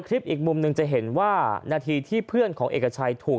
อีกมุมหนึ่งจะเห็นว่านาทีที่เพื่อนของเอกชัยถูก